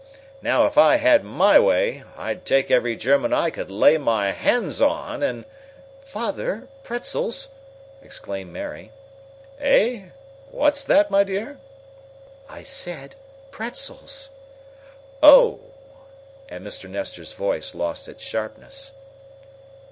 Now if I had my way, I'd take every German I could lay my hands on " "Father, pretzels!" exclaimed Mary. "Eh? What's that, my dear?" "I said pretzels!" "Oh!" and Mr. Nestor's voice lost its sharpness.